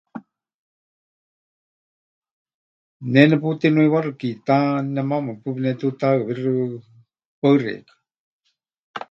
Ne neputinuiwaxɨ kiitá, nemaama paɨ pɨnetiutahɨawíxɨ. Paɨ xeikɨ́a.